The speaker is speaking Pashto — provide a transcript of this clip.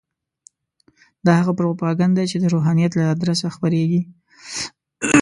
دا هغه پروپاګند دی چې د روحانیت له ادرسه خپرېږي.